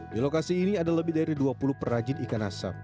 di lokasi ini ada lebih dari dua puluh perajin ikan asap